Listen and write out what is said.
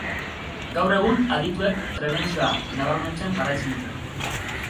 Gaur egun adituek prebentzioa nabarmentzen jarraitzen dute.